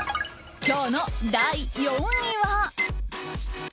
今日の第４位は。